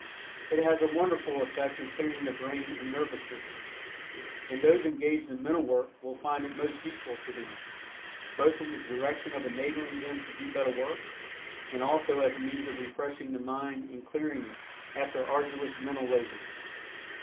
It has a wonderful effect in clearing the brain and nervous system, and those engaged in mental work will find it most useful to them, both in the direction of enabling them to do better work and also as a means of refreshing the mind and clearing it after arduous mental labor.